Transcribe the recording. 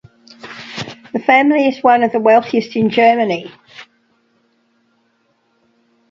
The family is one of the wealthiest in Germany.